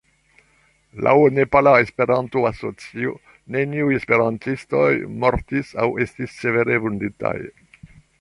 Laŭ Nepala Esperanto-Asocio neniuj esperantistoj mortis aŭ estis severe vunditaj.